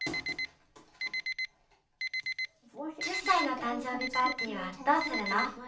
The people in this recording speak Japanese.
１０歳のたん生日パーティーはどうするの？